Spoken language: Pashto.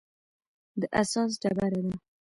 د اساس ډبره ده.